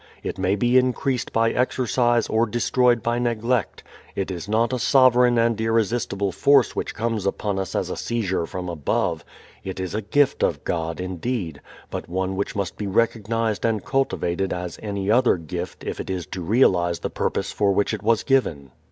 It may be increased by exercise or destroyed by neglect. It is not a sovereign and irresistible force which comes upon us as a seizure from above. It is a gift of God, indeed, but one which must be recognized and cultivated as any other gift if it is to realize the purpose for which it was given.